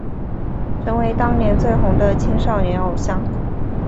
成为当年最红的青少年偶像。